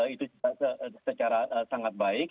itu secara sangat baik